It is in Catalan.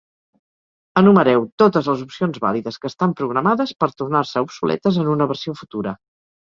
Enumereu totes les opcions vàlides que estan programades per tornar-se obsoletes en una versió futura.